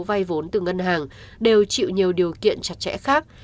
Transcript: vay vốn từ ngân hàng đều chịu nhiều điều kiện chặt chẽ khác